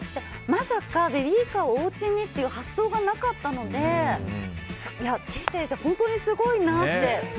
まさか、ベビーカーをおうちにっていう発想がなかったのでてぃ先生、本当にすごいなって。